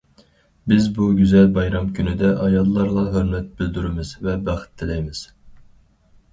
بىز بۇ گۈزەل بايرام كۈنىدە ئاياللارغا ھۆرمەت بىلدۈرىمىز ۋە بەخت تىلەيمىز!